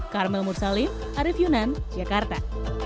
carmel mursalin arif yunan jakarta